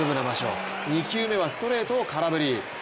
２球目はストレート、空振り。